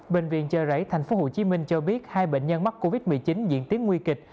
bệnh viện chợ rẫy tp hcm cho biết hai bệnh nhân mắc covid một mươi chín diễn tiến nguy kịch